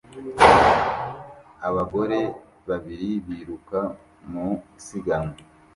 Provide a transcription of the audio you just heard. Abagore babiri biruka mu isiganwa